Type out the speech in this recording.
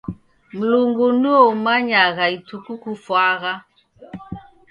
Mlungu nuo umayagha ituku kufwagha